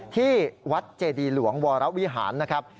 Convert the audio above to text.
ที่วัดเจดีหลวงวรวิหารนะครับ